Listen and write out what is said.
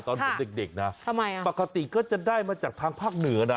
ตอนผมเด็กนะปกติก็จะได้มาจากทางภาคเหนือนะ